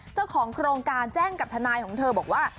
เจ้าของโครงการแจ้งกับทนายของเธอบอกว่า